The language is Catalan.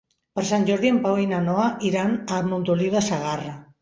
Per Sant Jordi en Pau i na Noa iran a Montoliu de Segarra.